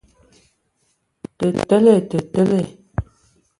Tə tele! Tə tele.